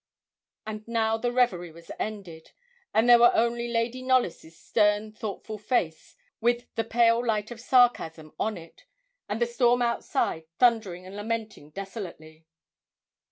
And now the reverie was ended; and there were only Lady Knollys' stern, thoughtful face, with the pale light of sarcasm on it, and the storm outside thundering and lamenting desolately.